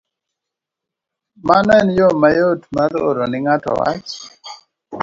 Mano en yo mayot mar oro ne ng'ato wach.